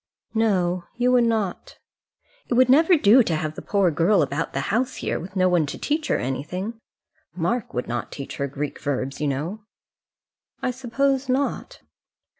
"No; you would not." "It would never do to have the poor girl about the house here, with no one to teach her anything. Mark would not teach her Greek verbs, you know." "I suppose not."